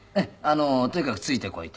「とにかくついてこい」と。